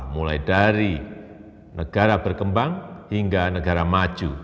mulai dari negara berkembang hingga negara maju